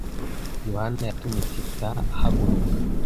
Yohana yatumye Teta ahaguruka.